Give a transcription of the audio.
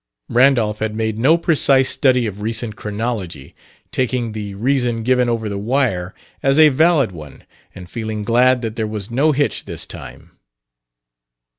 Randolph had made no precise study of recent chronology, taking the reason given over the wire as a valid one and feeling glad that there was no hitch this time.